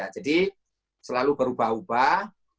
jadi selalu berubah ubah